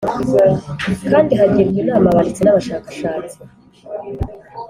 kandi hagirwa inama abanditsi n abashakashatsi